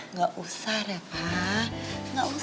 nggak usah reva